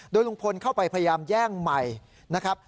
โดยลุงพลเข้าไปพยายามแย่งใหม่นะครับ